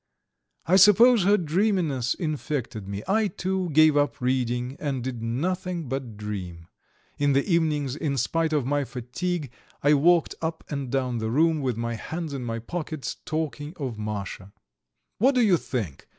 I suppose her dreaminess infected me. I, too, gave up reading, and did nothing but dream. In the evenings, in spite of my fatigue, I walked up and down the room, with my hands in my pockets, talking of Masha. "What do you think?"